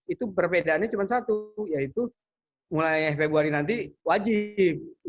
itu perbedaannya cuma satu yaitu mulai februari nanti wajib